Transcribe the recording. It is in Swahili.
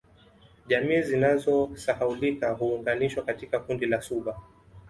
Jamii zinazosahaulika huunganishwa katika kundi la Suba